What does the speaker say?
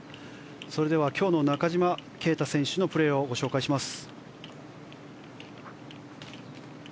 それでは今日の中島啓太選手のプレーをご紹介します。